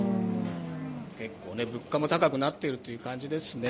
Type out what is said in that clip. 結構、物価も高くなってるっていう感じですね。